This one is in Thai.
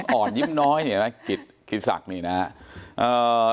ยิ้มอ่อนยิ้มน้อยนี่เห็นไหมกิตกิตศักดิ์นี่น่ะเอ่อ